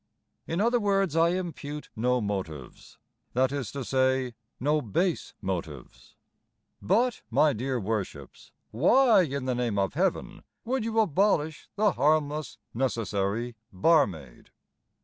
In other words, I impute no motives: That is to say, no base motives. But, my dear Worships, Why, in the name of Heaven, would you abolish The harmless, necessary barmaid?